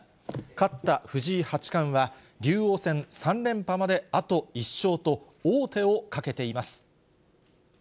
勝った藤井八冠は、竜王戦３連覇まであと１勝と、王手をかけています。